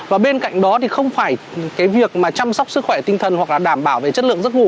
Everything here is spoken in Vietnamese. và bên cạnh đó thì không phải cái việc mà chăm sóc sức khỏe tinh thần hoặc là đảm bảo về chất lượng giấc ngủ